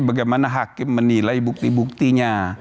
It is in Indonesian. bagaimana hakim menilai bukti buktinya